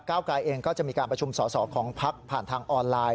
กลายเองก็จะมีการประชุมสอสอของพักผ่านทางออนไลน์